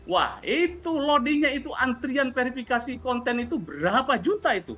wah itu loadingnya itu antrian verifikasi konten itu berapa juta itu